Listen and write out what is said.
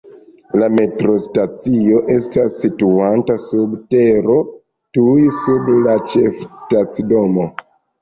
La metrostacio estas situanta sub tero, tuj sub la ĉefstacidomo.